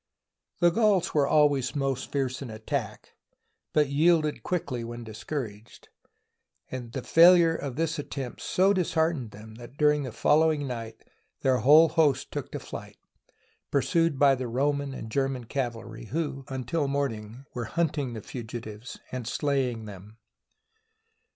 The Gauls were always most fierce in attack, but yielded quickly when discouraged; and the failure of this attempt so disheartened them that during the following night their whole host took to flight, pursued by the Roman and German cavalry, who, uftil morning, were hunting the fugitives and slay ing them.